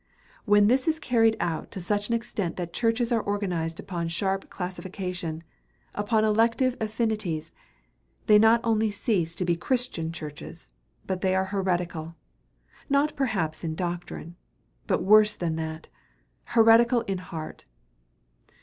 When this is carried out to such an extent that churches are organized upon sharp classification, upon elective affinities, they not only cease to be Christian churches, but they are heretical; not perhaps in doctrine, but worse than that, heretical in heart.